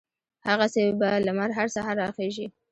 هغسې به لمر هر سهار را خېژي